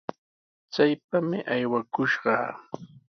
¡Chaypami aywakushqa!